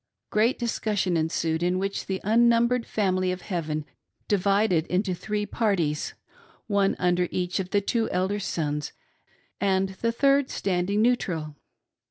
Great discussion ensued, in which the unnumbered family of heaven divided into three parties, — one under each of the two elder sons, and the third standing neutral.